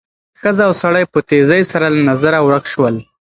ښځه او سړی په تېزۍ سره له نظره ورک شول.